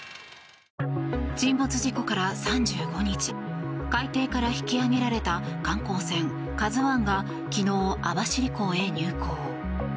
沈没事故から３５日海底から引き揚げられた観光船「ＫＡＺＵ１」が昨日、網走港へ入港。